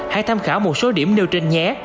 hãy tham khảo một số điểm nêu trên nhé